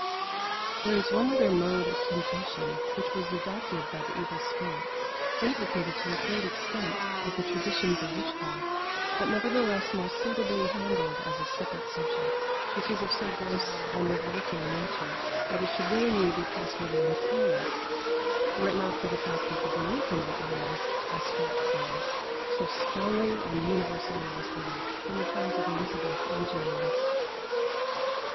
There is one other mode of temptation which was adopted by the evil spirits, implicated to a great extent with the traditions of witchcraft, but nevertheless more suitably handled as a separate subject, which is of so gross and revolting a nature that it should willingly be passed over in silence, were it not for the fact that the belief in it was, as Scot says, "so stronglie and universallie received" in the times of Elizabeth and James.